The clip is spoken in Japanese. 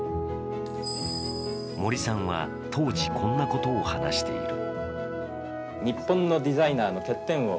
森さんは当時、こんなことを話している。